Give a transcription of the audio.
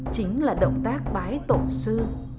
chính là động tác bái tổ sư